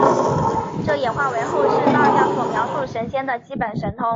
这演化为后世道教所描述神仙的基本神通。